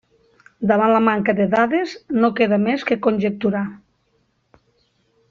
Davant la manca de dades, no queda més que conjecturar.